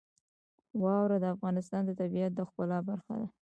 واوره د افغانستان د طبیعت د ښکلا برخه ده.